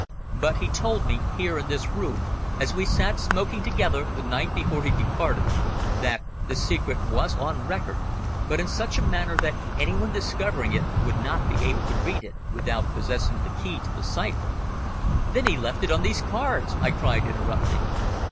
But he told me, here in this room, as we sat smoking together the night before he departed, that the secret was on record, but in such a manner that any one discovering it would not be able to read it without possessing the key to the cipher." "Then he left it on these cards!" I cried, interrupting.